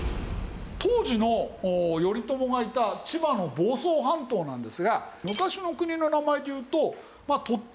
当時の頼朝がいた千葉の房総半島なんですが昔の国の名前でいうと突端が安房国。